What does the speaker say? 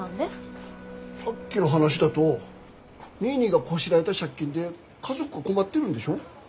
さっきの話だとニーニーがこしらえた借金で家族困ってるんでしょ？